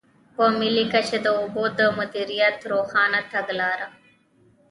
په ملي کچه د اوبو د مدیریت روښانه تګلاره.